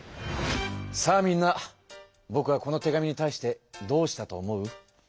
さあみんなぼくはこの手紙に対してどうしたと思う？